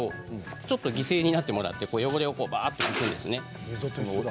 ちょっと犠牲になってもらって汚れをバーッと拭くんですね。